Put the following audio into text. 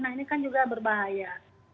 nah ini kan juga berbahaya